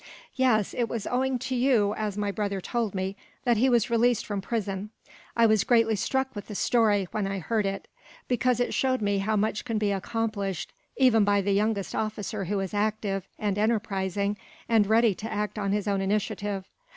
"Yes, it was owing to you, as my brother told me, that he was released from prison. I was greatly struck with the story, when I heard it; because it showed how much can be accomplished, even by the youngest officer who is active, and enterprising, and ready to act on his own initiative.